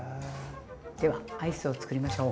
ではアイスをつくりましょう。